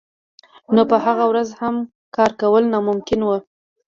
نو په هغه ورځ هم کار کول ناممکن وو